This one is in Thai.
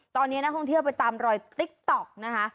ตอนนี้นักท่องเที่ยวไปตามรอยติ๊กต๊อกนะคะ